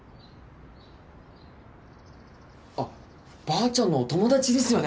あっばあちゃんのお友達ですよね？